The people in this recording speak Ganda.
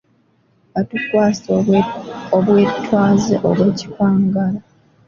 Batukwasa obwetwaze obw'ekikwangala.